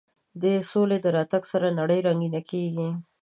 د سولې د راتګ سره نړۍ رنګینه کېږي.